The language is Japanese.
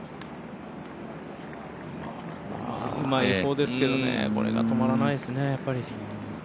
うまい方ですけどね、これが止まらないですね、やっぱり。